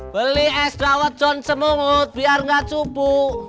beli es dawet concemungut biar enggak cupu